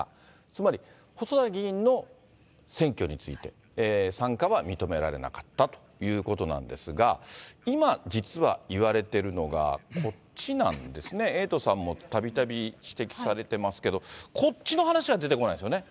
つまり、細田議員の選挙について、参加は認められなかったということなんですが、今、実はいわれているのがこっちなんですね、エイトさんもたびたび指摘されてますけど、こっちの話は出てこないんですよね。